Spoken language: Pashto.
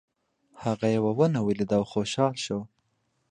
هغه یوه ونه ولیده او خوشحاله شو.